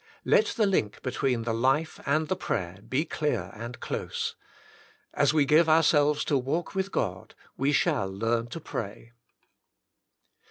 Let the link between the life and the prayer be clear and close. As we give ourselves to walk with God, we shall learn to pray.